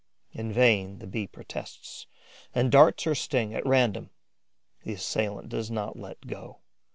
In vain, the Bee protests and darts her sting at random; the assailant does not let go.